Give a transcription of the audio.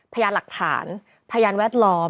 พยายามหลักฐานพยายามแวดล้อม